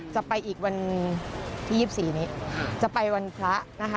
จะไปอีกวันที่๒๔นี้จะไปวันพระนะคะ